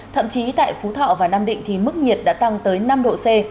thậm chí tại phú thọ và nam định thì mức nhiệt đã tăng tới năm độ c